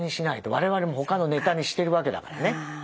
我々もほかのネタにしてるわけだからね。